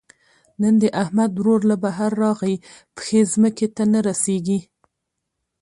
نن د احمد ورور له بهر راغی؛ پښې ځمکې ته نه رسېږي.